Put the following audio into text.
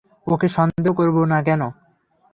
ওকে সন্দেহ করব না কেন?